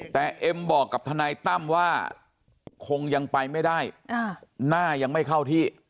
แต่เอ็มบอกกับทนายตั้มว่าคงยังไปไม่ได้หน้ายังไม่เข้าที่